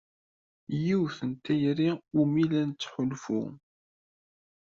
Yiwet n tayri umi la nettḥulfu.